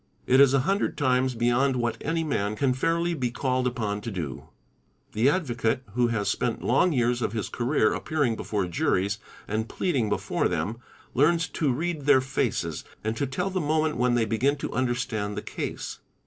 It is a hundred times beyond what any man can fairly be called upon to do. The ieee = poe advocate who has spent long years of his career appearing before juries and pleading before them, learns to read their faces and to tell the Sasa TMG ' moment when they begin to understand the case.